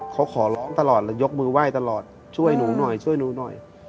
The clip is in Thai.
เขาขอร้องตลอดเลยยกมือไหว้ตลอดช่วยหนูหน่อยช่วยหนูหน่อย